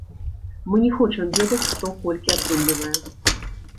Мы не хочам ведаць, хто колькі атрымлівае.